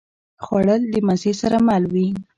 خوړل د مزې سره مل وي